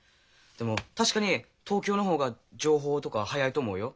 でも確かに東京の方が情報とかは早いと思うよ。